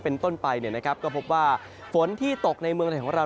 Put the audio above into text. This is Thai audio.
เป็นต้นไปก็พบว่าฝนที่ตกในเมืองไทยของเรา